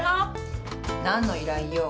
何の依頼よ？